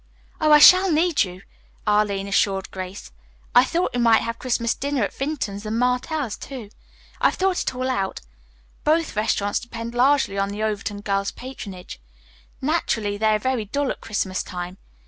"Oh, I shall need you," Arline assured Grace. "I thought we might have Christmas dinner at Vinton's and Martell's, too. I've thought it all out. Both restaurants depend largely on the Overton girls' patronage. Naturally, they are very dull at Christmas time.